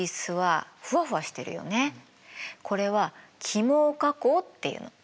これは起毛加工っていうの。